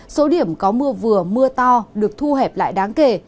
số điểm có mưa vừa mưa to được thu hẹp lại đáng kể